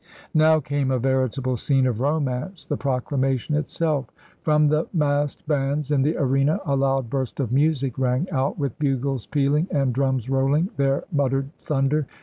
Now came a veritable scene of romance, the Procla mation itself. From the massed bands in the arena a loud burst of music rang out, with bugles pealing and drums rolling their muttered thunder.